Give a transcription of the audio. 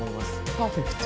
パーフェクト！